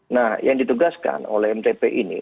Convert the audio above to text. nah yang ditugaskan oleh mtp ini